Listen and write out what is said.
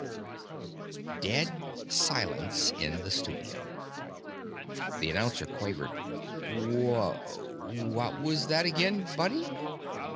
Dead silence in the studio. The announcer quavered, "Wh what was that again, buddy?"